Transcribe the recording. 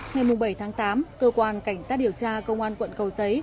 ngày bảy tháng tám cơ quan cảnh sát điều tra công an quận cầu giấy